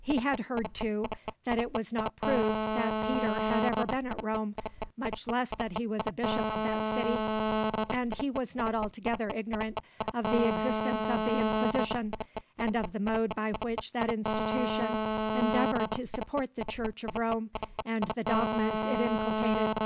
He had heard, too, that it was not proved that Peter had ever been at Rome, much less that he was a Bishop of that city; and he was not altogether ignorant of the existence of the Inquisition, and of the mode by which that institution endeavoured to support the Church of Rome and the dogmas it inculcated.